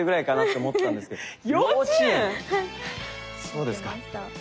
そうですか。